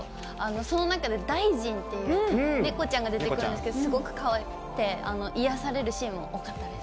その中で、だいじんという猫ちゃんが出てくるんですけど、すごくかわいくて、癒やされるシーンも多かったです。